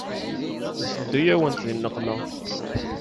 Nteddu-yawent di nneqma.